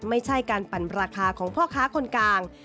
ไม่ใช่การปั่นราคาของพ่อค้าคนกลาง